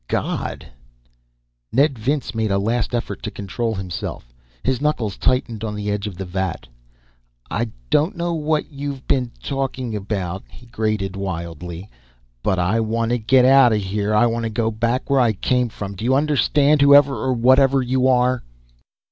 God!... Ned Vince made a last effort to control himself. His knuckles tightened on the edge of the vat. "I don't know what you've been talking about," he grated wildly. "But I want to get out of here! I want to go back where I came from! Do you understand whoever, or whatever you are?"